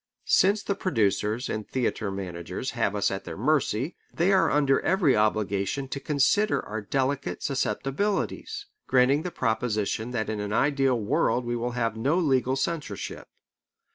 Since the producers and theatre managers have us at their mercy, they are under every obligation to consider our delicate susceptibilities granting the proposition that in an ideal world we will have no legal censorship.